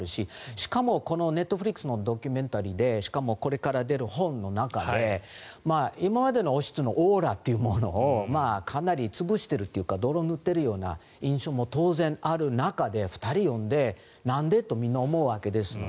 しかもネットフリックスのドキュメンタリーでしかも、これから出る本の中で今までの王室のオーラというものをかなり潰しているというか泥を塗っているような印象も当然ある中で、２人を呼んでなんで？ってみんな思うわけですので。